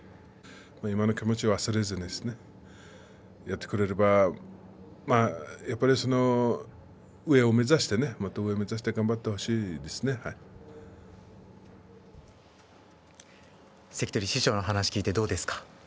今の気持ちを忘れずにやってくれればやっぱり上を目指してもっと上を目指して師匠の話を聞いてどうですか。